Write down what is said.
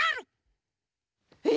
え！？